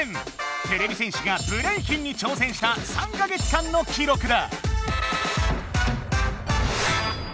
てれび戦士がブレイキンにちょうせんした３か月間の記ろくだ！